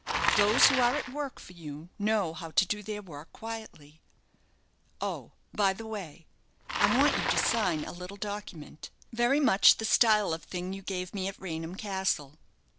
Those who are at work for you know how to do their work quietly. Oh, by the way, I want you to sign a little document very much the style of thing you gave me at Raynham Castle."